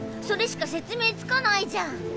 それしか説明つかないじゃん。